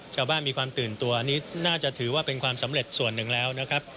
ชาวบ้านมีความตื่นตัวนี้น่าจะถือว่าเป็นความสำเร็จส่วนหนึ่งแล้วนะครับ